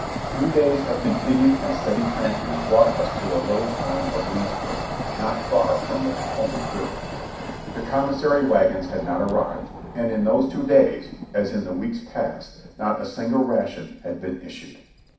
Two days of continued and steady tramping brought us to the little town of Leesburg , not far from the Potomac River. The commissary wagons had not arrived, and in those two days, as in the weeks passed, not a single ration had been issued.